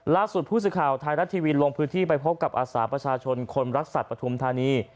ล่าสุดผู้สื่อข่าวไทยรัฐทีวีลงพื้นที่ไปพบกับอาสาประชาชนคนรักสัตว์ปฐุมธานี